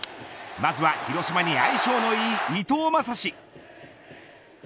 まずは広島に相性のいい伊藤将司。